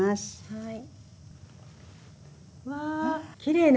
はい。